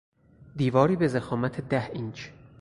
دیواری به ضخامت ده اینچ